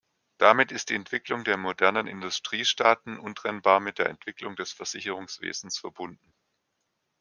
Damit ist die Entwicklung der modernen Industriestaaten untrennbar mit der Entwicklung des Versicherungswesens verbunden.